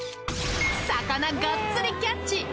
魚がっつりキャッチ！